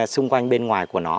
xung quanh bên ngoài của nó